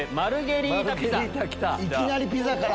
いきなりピザから！